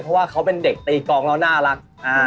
เพราะว่าเขาเป็นเด็กตีกองแล้วน่ารัก